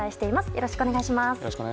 よろしくお願いします。